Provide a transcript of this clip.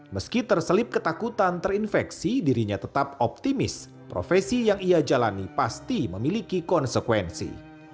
meski terselip ketakutan terinfeksi dirinya tetap optimis profesi yang ia jalani pasti memiliki konsekuensi